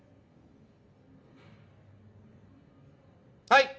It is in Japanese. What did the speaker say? はい！